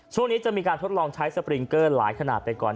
ช่วงนี้จะมีการทดลองใช้สปริงเกอร์หลายขนาดไปก่อน